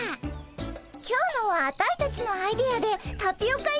今日のはアタイたちのアイデアでタピオカ入りだよ。